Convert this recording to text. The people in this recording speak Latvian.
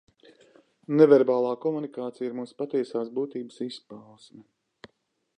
Neverbālā komunikācija ir mūsu patiesās būtības izpausme.